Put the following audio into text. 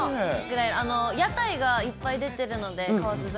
屋台がいっぱい出てるので、河津桜。